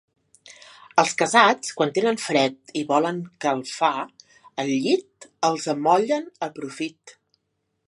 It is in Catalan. Els casats, quan tenen fred i volen calfar el llit, els amollen a profit.